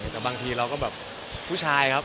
แต่บางทีเราก็แบบผู้ชายครับ